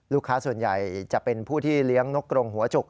ส่วนใหญ่จะเป็นผู้ที่เลี้ยงนกกรงหัวจุก